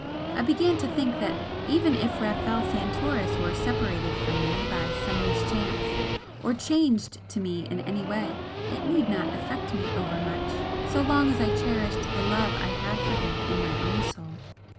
I began to think that even if Rafel Santoris were separated from me by some mischance, or changed to me in any way, it need not affect me over much so long as I cherished the love I had for him in my own soul.